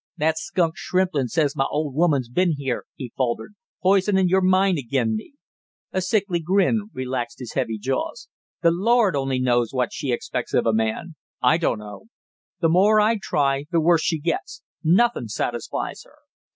"That skunk Shrimplin says my old woman's been here," he faltered, "poisonin' your mind agin me!" A sickly grin relaxed his heavy jaws. "The Lord only knows what she expects of a man I dunno! The more I try, the worse she gets; nothin' satisfies her!"